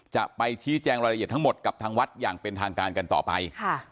จะไปชี้แจงรายละเอียดทั้งหมดกับทางวัดอย่างเป็นทางการกันต่อไป